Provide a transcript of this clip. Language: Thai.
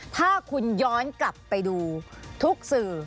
ถ้าคุณย้อนกลับไปดูทุกสื่อ